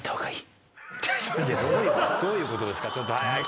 どういうことですか？